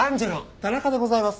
田中でございます！